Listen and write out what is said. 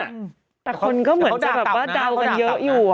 แต่คนก็เหมือนจะแบบว่าเดากันเยอะอยู่